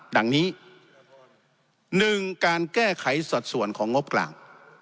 ดังนี้๑การแก้ไขสัดส่วนของงบกลาง